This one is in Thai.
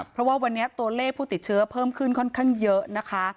เพราะว่าวันนี้ตัวเลขผู้ติดเชื้อเพิ่มขึ้นค่อนข้างเยอะนะคะ